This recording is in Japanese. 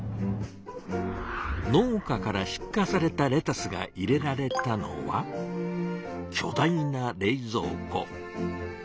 農家から出荷されたレタスが入れられたのはきょ大な冷蔵庫。